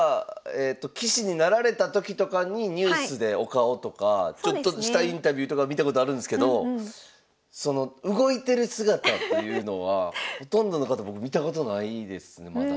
棋士になられた時とかにニュースでお顔とかちょっとしたインタビューとか見たことあるんですけどその動いてる姿っていうのはほとんどの方僕見たことないですねまだ。